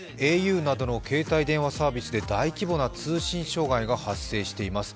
ａｕなどの携帯電話サービスで大規模な通信障害が発生しています。